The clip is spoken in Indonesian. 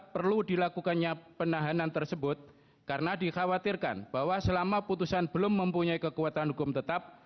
perlu dilakukannya penahanan tersebut karena dikhawatirkan bahwa selama putusan belum mempunyai kekuatan hukum tetap